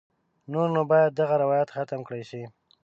نور نو باید دغه روایت ختم کړای شي.